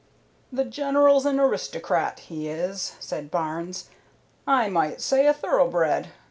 "The General's an aristocrat, he is," said Barnes. "I might say a thoroughbred.